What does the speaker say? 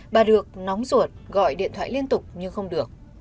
bà được nóng ruột gọi điện thoại liên tục nhưng không được